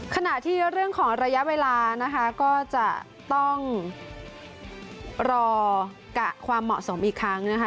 ขณะที่เรื่องของระยะเวลานะคะก็จะต้องรอกะความเหมาะสมอีกครั้งนะคะ